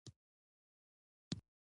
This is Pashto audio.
مچان د تازه میوو بوی ته راځي